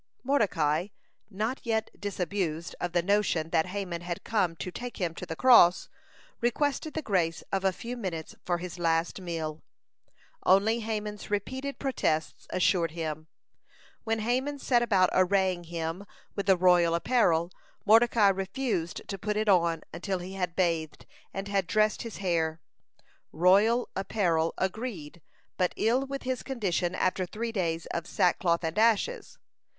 Mordecai, not yet disabused of the notion that Haman had come to take him to the cross, requested the grace of a few minutes for his last meal. Only Haman's repeated protests assured him. When Haman set about arraying him with the royal apparel, Mordecai refused to put it on until he had bathed, and had dressed his hair. Royal apparel agreed but ill with his condition after three days of sackcloth and ashes.